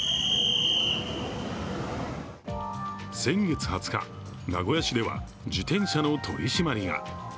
先月２０日、名古屋市では自転車の取り締まりが。